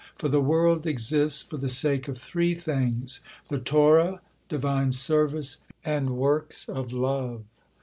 For the world exists for the sake of three things, the Torah, Divine service, and works of love.